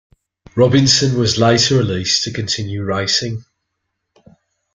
Robinson was later released to continue racing.